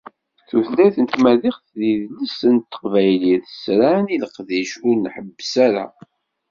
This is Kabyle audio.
Tutlayt n Tmaziɣt d yidles n teqbaylit sran i leqdic ur nḥebbes ara,.